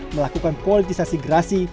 melakukan kualitasasi gerasi